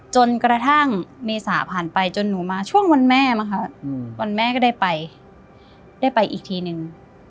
จนกระทั่งเมษาผ่านไปจนหนูมาช่วงวันแม่มั้งค่ะวันแม่ก็ได้ไปได้ไปอีกทีนึง